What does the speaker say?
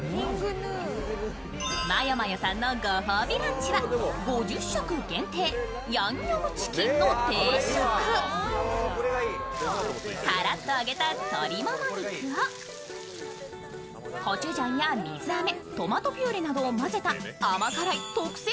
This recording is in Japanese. まよまよさんのご褒美ランチは５０食限定、ヤンニョムチキンの定食カラッと揚げた鶏もも肉をコチュジャンや水あめ、トマトピューレなどを混ぜた甘辛い特製